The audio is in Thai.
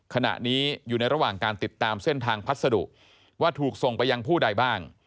ขณะนี้อยู่ในระหว่างการติดตามเส้นทางพัสดุว่าถูกส่งไปยังผู้ใดบ้าง